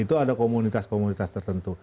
itu ada komunitas komunitas tertentu